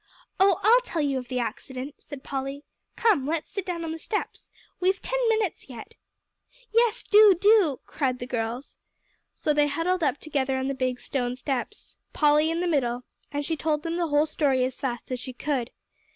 "Oh, I'll tell you of the accident," said Polly; "come, let's sit down on the steps; we've ten minutes yet." "Yes, do, do," cried the girls. So they huddled up together on the big stone steps, Polly in the middle, and she told them the whole story as fast as she could.